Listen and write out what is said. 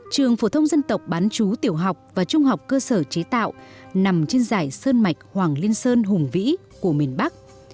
trường phổ thông dân tộc bán chú tiểu học và trung học cơ sở chế tạo nằm trên giải sơn mạch hoàng liên sơn hùng vĩ của miền bắc